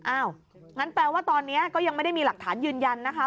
งั้นแปลว่าตอนนี้ก็ยังไม่ได้มีหลักฐานยืนยันนะคะ